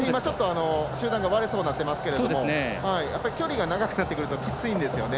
集団が割れそうになってますが距離が長くなってくるときついんですよね。